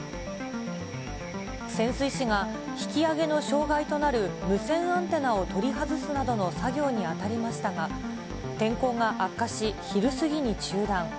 潜水士が引き揚げの障害となる無線アンテナを取り外すなどの作業に当たりましたが、天候が悪化し、昼過ぎに中断。